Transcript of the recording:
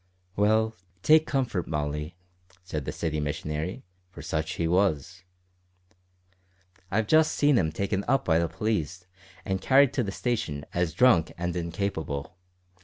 "Well, take comfort, Molly," said the city missionary, for such he was; "I've just seen him taken up by the police and carried to the station as drunk and incapable.